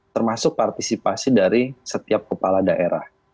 termasuk partisipasi dari setiap kepala daerah